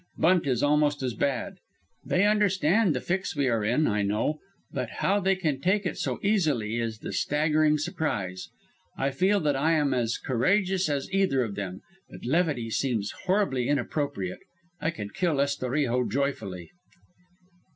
Bunt is almost as bad. They understand the fix we are in, I know, but how they can take it so easily is the staggering surprise. I feel that I am as courageous as either of them, but levity seems horribly inappropriate. I could kill Estorijo joyfully.